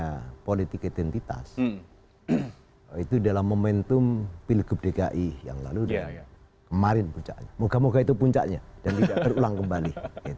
karena politik identitas itu dalam momentum pilgub dki yang lalu dan kemarin puncaknya moga moga itu puncaknya dan tidak terulang kembali